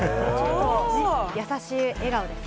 優しい笑顔で。